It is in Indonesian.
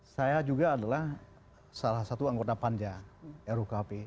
saya juga adalah salah satu anggota panja rukp